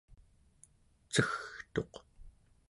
cegtuq